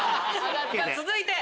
続いて。